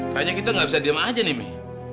kayaknya kita gak bisa diam aja nih mie